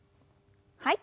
はい。